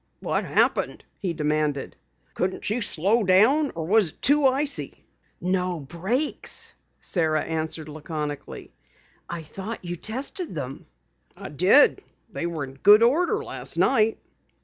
"What happened?" he demanded. "Couldn't you slow down or was it too icy?" "No brakes," Sara answered laconically. "I thought you tested them." "I did. They were in good order last night."